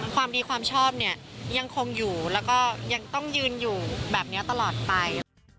ความดีความชอบเนี่ยยังคงอยู่แล้วก็ยังต้องยืนอยู่แบบนี้ตลอดไป